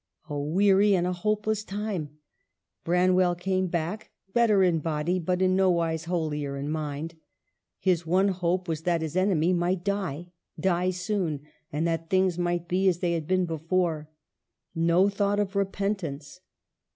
1 A weary and a hopeless time. Branwell came back, better in body, but in nowise holier in mind. His one hope was that his enemy might die, die soon, and that things might be as they had been before. No thought of repentance.